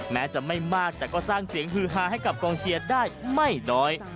แม้จะไม่มากแต่ก็สร้างเสียงฮือฮาให้กับกองเชียร์ได้ไม่น้อย